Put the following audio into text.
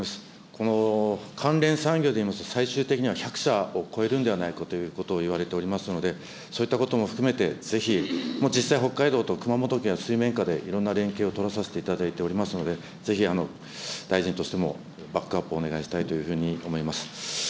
この関連産業でいいますと、最終的には１００社を超えるんではないかということをいわれておりますので、そういったことも含めて、ぜひ、実際、北海道と熊本県、水面下でいろんな連携を取らさせていただいていますので、ぜひ、大臣としてもバックアップをお願いしたいというふうに思います。